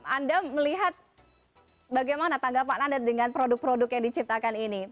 anda melihat bagaimana tanggapan anda dengan produk produk yang diciptakan ini